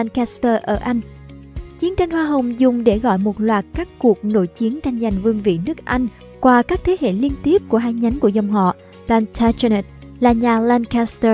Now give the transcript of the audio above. chiến tranh hoa hồng